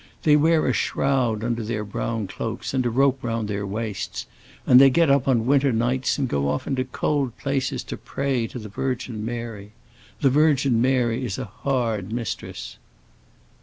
"They wear a shroud under their brown cloaks and a rope round their waists, and they get up on winter nights and go off into cold places to pray to the Virgin Mary. The Virgin Mary is a hard mistress!"